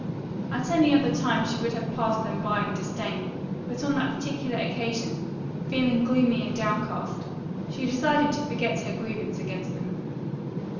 At any other time she would have passed them by in disdain, but on that particular occasion, feeling gloomy and downcast, she decided to forget her grievance against them.